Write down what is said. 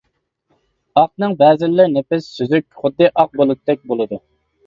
ئاقنىڭ بەزىلىرى نېپىز، سۈزۈك، خۇددى ئاق بۇلۇتتەك بولىدۇ.